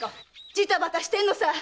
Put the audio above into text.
ジタバタしてんのさ！